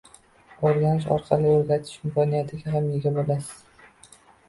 O’rganish orqali o’rgatish imkoniyatiga ham ega bo’lasiz